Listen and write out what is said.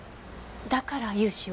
だから融資を？